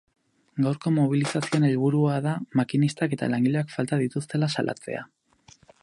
Gaurko mobilizazioen helburua da makinistak eta langileak falta dituztela salatzea.